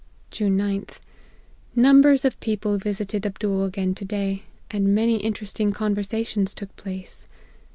" June 9th. Numbers of people visited Abdool again to day, and many interesting conversations took place.